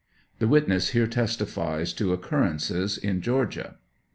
(The witness here testifies to occurrences in Georgia.)